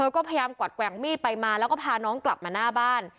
ก็พยายามกวัดแกว่งมีดไปมาแล้วก็พาน้องกลับมาหน้าบ้าน